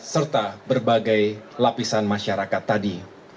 serta berbagai lapisan masyarakat tadi